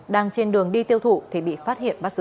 đang trên đường đi tiêu thụ thì bị phát hiện bắt giữ